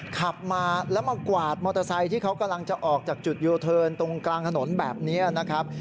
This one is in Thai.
ขับมาแล้วมากวาดมอเตอร์ไซค์ที่เขากำลังจะออกจากจุดยูเทิร์นตรงกลางถนนแบบนี้นะครับ